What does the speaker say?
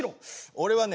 俺はね